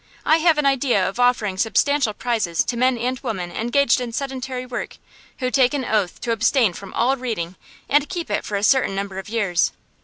I have an idea of offering substantial prizes to men and women engaged in sedentary work who take an oath to abstain from all reading, and keep it for a certain number of years.